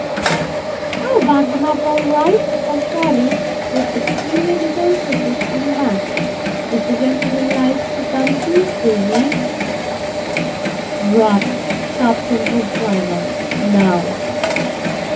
"I'll BACK 'em up all right," said Charlie, with extremely bitter emphasis on 'back.' "If the gentleman likes to come Toosday week " "Rot!" chopped in Hoopdriver. "Now."